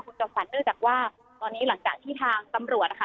คุณจอมฝันเนื่องจากว่าตอนนี้หลังจากที่ทางตำรวจนะคะ